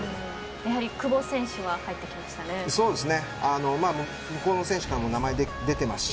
やはり久保選手は入ってきましたね。